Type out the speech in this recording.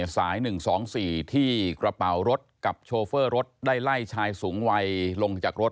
สาย๑๒๔ที่กระเป๋ารถกับโชเฟอร์รถได้ไล่ชายสูงวัยลงจากรถ